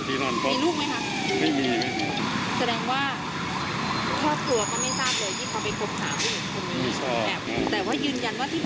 เครียดโมโหรุนแรง